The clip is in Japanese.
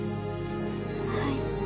はい。